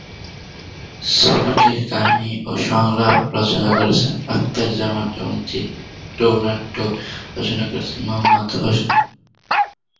ছবিটির কাহিনি ও সংলাপ রচনা করেছেন আখতার জামান এবং চিত্রনাট্য রচনা করেছেন মোহাম্মদ হোসেন।